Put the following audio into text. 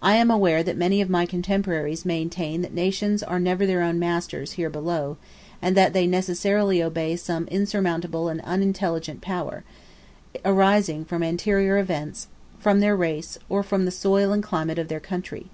I am aware that many of my contemporaries maintain that nations are never their own masters here below, and that they necessarily obey some insurmountable and unintelligent power, arising from anterior events, from their race, or from the soil and climate of their country.